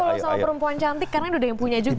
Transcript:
kalau sama perempuan cantik karena udah yang punya juga